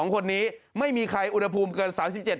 ๒คนนี้ไม่มีใครอุณหภูมิเกิน๓๗